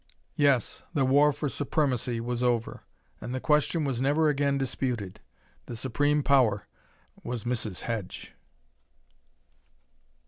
Yes, the war for supremacy was over, and the question was never again disputed. The supreme power was Mrs. Hedge.